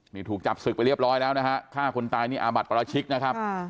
นี่ถูกจับศึกไปเรียบร้อยแล้วนะฮะฆ่าคนตายนี่อาบัติประราชิกนะครับ